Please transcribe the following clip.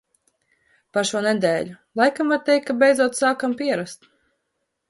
Par šo nedēļu. Laikam var teikt, ka beidzot sākam pierast.